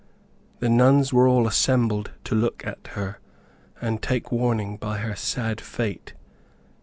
The nuns were all assembled to look at her, and take warning by her sad fate.